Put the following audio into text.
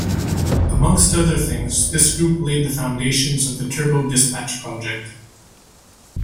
Amongst other things, this group laid the foundations of Turbo Dispatch project.